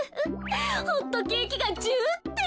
ホットケーキがジュって。